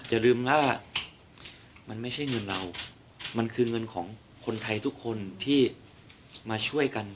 อย่าลืมว่ามันไม่ใช่เงินเรามันคือเงินของคนไทยทุกคนที่มาช่วยกัน